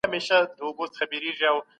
پرښتې د آدم په وړاندې سجده وکړه.